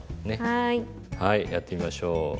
はいやってみましょう。